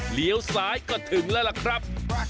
เลี้ยวซ้ายก็ถึงแล้วล่ะครับ